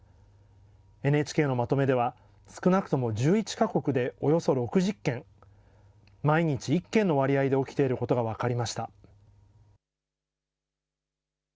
ＮＨＫのまとめでは、少なくとも１１か国でおよそ６０件、毎日１件の割合で起きていることが分かりました。